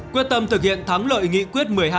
quyết tâm thực hiện thắng lợi nghị quyết một mươi hai